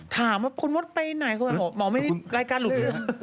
ถามว่าคุณมดไปไหนคุณแม่บอกหมอไม่ได้รายการหลุดหรือ